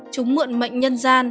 chúng mượn mệnh nhân gian